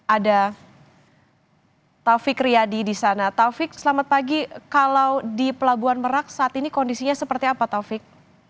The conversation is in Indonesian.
ada taufik riyadi di sana taufik selamat pagi kalau di pelabuhan merak saat ini kondisinya seperti apa taufik